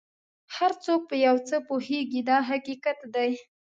هر څوک په یو څه پوهېږي دا حقیقت دی.